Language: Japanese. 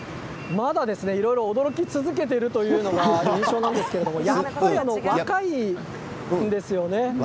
まだいろいろ驚き続けているというのが印象なんですけどやっぱり若いんですよね。